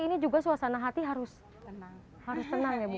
ini juga suasana hati harus tenang ya bu